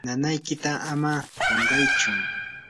nanaykita ama qunqaychu.